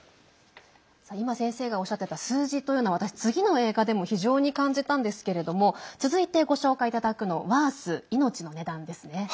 今、先生がおっしゃってた数字というのは私、次の映画でも非常に感じたんですけれども続いてご紹介いただくのは「ワース命の値段」ですね。